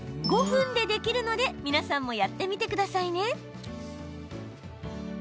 ５分でできるので皆さんもやってみてくださいね。